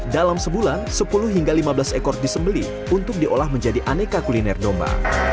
dalam sebulan sepuluh hingga lima belas ekor disembeli untuk diolah menjadi aneka kuliner domba